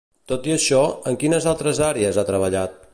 Tot i això, en quines altres àrees ha treballat?